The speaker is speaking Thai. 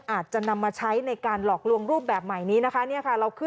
อาจจะนำมาใช้ในการหลอกลวงรูปแบบใหม่นี้นะคะ